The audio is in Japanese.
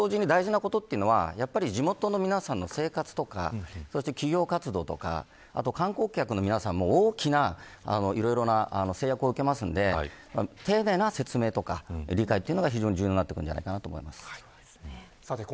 それと同時に大事なことは地元の皆さんの生活とか企業活動とか、観光客の皆さんも大きないろいろな制約を受けますので丁寧な説明とか理解というのは非常に重要になってくると思います。